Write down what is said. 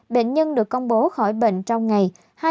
bệnh nhân được công bố khỏi bệnh trong ngày hai chín trăm chín mươi hai